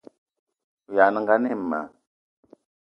O ayag' nengan ayi ma